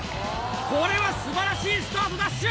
これは素晴らしいスタートダッシュ！